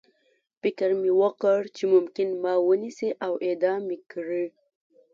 فکر مې وکړ چې ممکن ما ونیسي او اعدام مې کړي